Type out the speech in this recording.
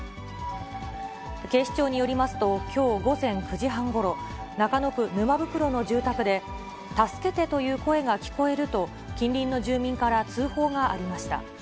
警視庁によりますと、きょう午前９時半ごろ、中野区沼袋の住宅で、助けてという声が聞こえると、近隣の住民から通報がありました。